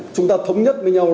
chúng ta thống nhất với nhau